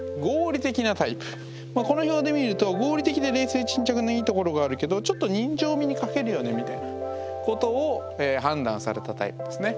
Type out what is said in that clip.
この表で見ると合理的で冷静沈着ないいところがあるけどちょっと人情味に欠けるよねみたいなことを判断されたタイプですね。